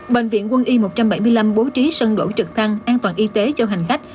bệnh viện quân y một trăm bảy mươi năm bố trí sân đỗ trực thăng an toàn y tế cho hành khách